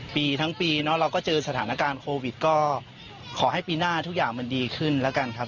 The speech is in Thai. ปีทั้งปีเนาะเราก็เจอสถานการณ์โควิดก็ขอให้ปีหน้าทุกอย่างมันดีขึ้นแล้วกันครับ